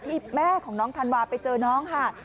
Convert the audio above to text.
แม่ของน้องธันวาไปเจอน้องค่ะ